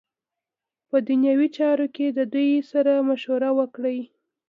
په دنیوی چارو کی ددوی سره مشوره وکړی .